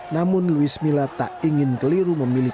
namun luis mila tak ingin keliru memilih